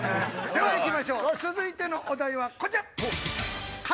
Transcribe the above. では行きましょう続いてのお題はこちら！